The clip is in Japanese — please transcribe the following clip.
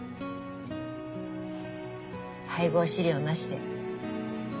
配合飼料なしで？